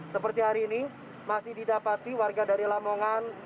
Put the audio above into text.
seperti hari ini masih didapati warga dari lamongan